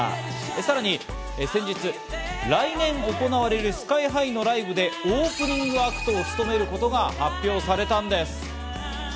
さらに先日、来年行われるＳＫＹ−ＨＩのライブでオープニングアクトを務めることが発表されたんです。